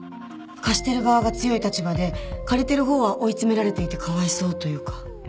貸してる側が強い立場で借りてるほうは追い詰められていてかわいそうというか。